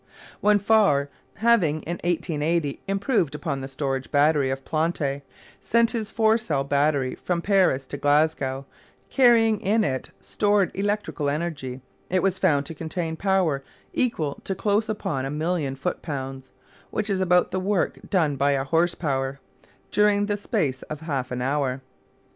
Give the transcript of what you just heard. When Faure, having in 1880 improved upon the storage battery of Planté, sent his four cell battery from Paris to Glasgow, carrying in it stored electrical energy, it was found to contain power equal to close upon a million foot pounds, which is about the work done by a horse power during the space of half an hour.